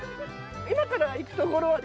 今から行くところは。